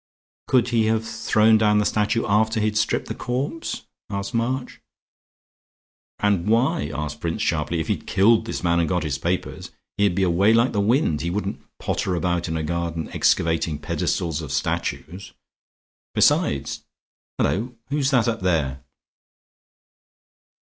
"Could he have thrown down the statue after he'd stripped the corpse?" asked March. "And why?" asked Prince, sharply. "If he'd killed his man and got his papers, he'd be away like the wind. He wouldn't potter about in a garden excavating the pedestals of statues. Besides Hullo, who's that up there?"